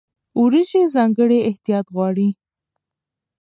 وریجې ځانګړی احتیاط غواړي.